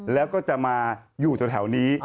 แล้วก็จะมาอยู่แถวนี้